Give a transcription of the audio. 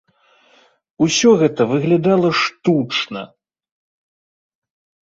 Усё гэта выглядала штучна.